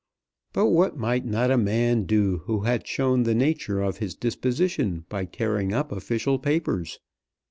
But what might not a man do who had shown the nature of his disposition by tearing up official papers?